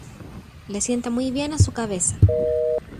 Le sienta muy bien a su cabeza.